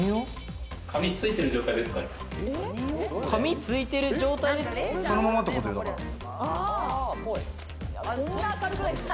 紙、付いてる状態で使います。